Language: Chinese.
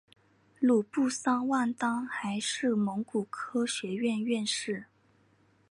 鲁布桑旺丹还是蒙古科学院院士。